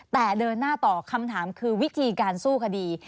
แต่เดินหน้าต่อคำถามคือวิธีการสู้คดี